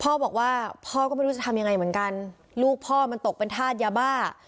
พ่อบอกว่าพ่อก็ไม่รู้จะทำยังไงเหมือนกันลูกพ่อมันตกเป็นธาตุยาบ้า